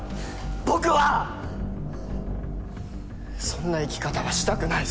そんな生き方はしたくない。